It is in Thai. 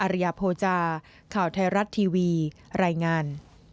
ริยโภจาข่าวไทยรัฐทีวีรายงาน